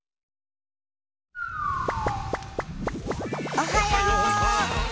おはよう！